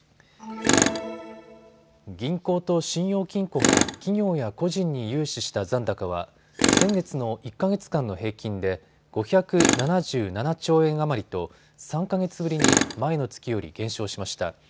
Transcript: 銀行と信用金庫が企業や個人に融資した残高は先月の１か月間の平均で５７７兆円余りと３か月ぶりに前の月より減少しました。